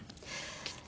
きっとね。